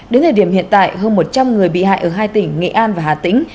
đến thời điểm hiện tại hơn một trăm linh người bị hại ở hai tỉnh nghệ an và hà tĩnh